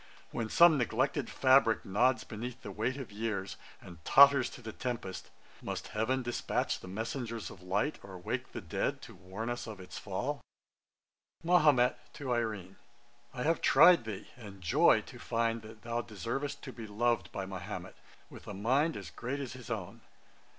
When some neglected fabrick nods beneath The weight of years, and totters to the tempest, Must heaven despatch the messengers of light, Or wake the dead, to warn us of its fall?' MAHOMET (to IRENE). 'I have tried thee, and joy to find that thou deservest to be loved by Mahomet, with a mind great as his own.